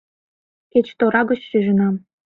Кеч тора гыч – шижынам.